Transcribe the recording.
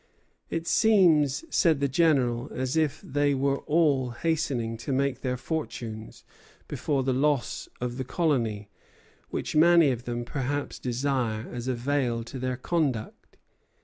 "It seems," said the General, "as if they were all hastening to make their fortunes before the loss of the colony; which many of them perhaps desire as a veil to their conduct."